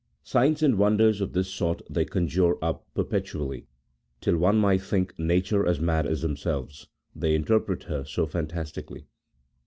Signs and wonders 4 A THEOLOGICO POLITICAL TREATISE. of this sort they conjure up perpetually, till one might think Nature as mad as themselves, they interpret her so fantastically.